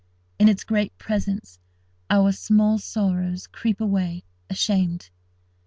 In its great presence, our small sorrows creep away, ashamed.